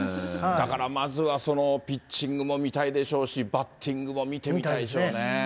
だからまずはそのピッチングも見たいでしょうし、バッティングも見てみたいでしょうね。